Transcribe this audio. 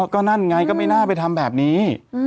ก็นั่นไงก็ไม่น่าไปทำแบบนี้